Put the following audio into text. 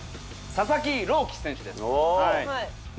佐々木朗希選手。